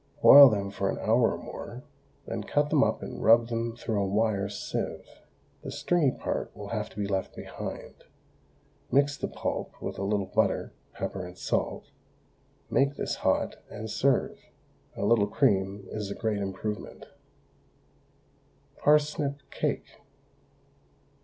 Boil them for an hour or more, then cut them up and rub them through a wire sieve. The stringy part will have to be left behind. Mix the pulp with a little butter, pepper, and salt; make this hot, and serve. A little cream is a great improvement. PARSNIP CAKE.